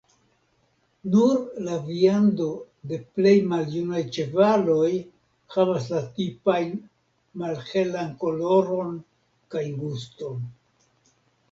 Nur la viando de plej maljunaj ĉevaloj havas la tipajn malhelan koloron kaj guston.